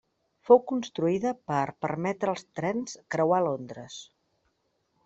Fou construïda per permetre als trens creuar Londres.